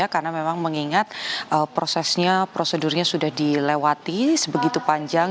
karena memang mengingat prosesnya prosedurnya sudah dilewati sebegitu panjang